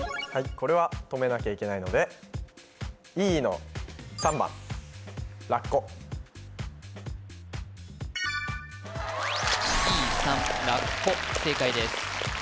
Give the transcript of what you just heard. これは止めなきゃいけないのでＥの３番Ｅ３らっこ正解です